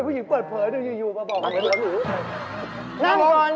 ผู้หญิงเปิดเผยดูอยู่มาบอกอย่างนี้กับหนู